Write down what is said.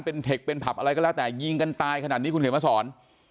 เป็นเทคเป็นผับอะไรก็แล้วแต่ยิงกันตายขนาดนี้คุณเขียนมาสอน